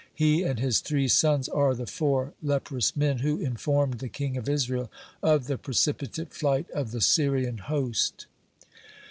He and his three sons are the four leprous men who informed the king of Israel of the precipitate flight of the Syrian host.